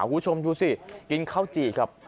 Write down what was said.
คุณผู้ชมดูสิกินข้าวจี่ครับ